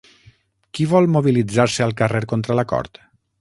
Qui vol mobilitzar-se al carrer contra l'acord?